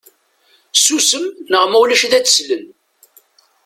Ssusem neɣ ma ulac ad d-slen.